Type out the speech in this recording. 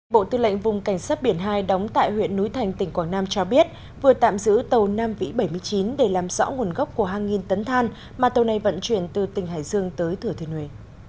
bộ tư lệnh vùng cảnh sát biển hai đóng tại huyện núi thành tỉnh quảng nam cho biết vừa tạm giữ tàu nam vĩ bảy mươi chín để làm rõ nguồn gốc của hàng nghìn tấn than mà tàu này vận chuyển từ tỉnh hải dương tới thừa thuyền huế